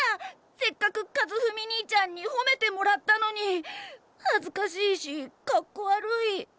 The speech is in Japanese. せっかく和史にいちゃんにほめてもらったのにはずかしいしかっこ悪い。